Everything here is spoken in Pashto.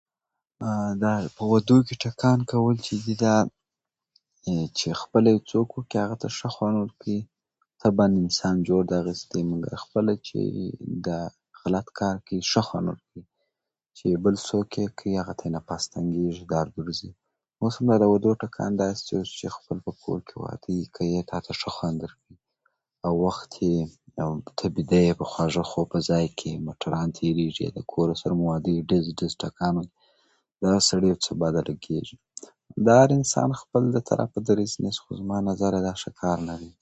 دا په ودو کې ټکان کول چې دي، دا چې خپله چې څوک وکي، هغه ته شه خوند ورکيي. طبعا انسان جوړ دغسې دی. [unintelligible] خپله چې غلط کار کيي، شه خوند ورکيي. چې بل څوک یې کيي، هغه ته یې نفس تنګېژي. [unintelligible] اوس نو د ودو ټکان داسې سو، چې خپل کور کې واده یی کیې، تاته شه خوند درکيي. او وختي، او ته بیده یې، په خواژه خوب په ځای کې موټران تيريژي، د کور سره واده يي، ډژ دژ ټکان وي، دا سړی یو څه [unintelligible] کېږي. د هر انسان له خپل طرفه دريځ، خو زما نظره شه کار نه دی.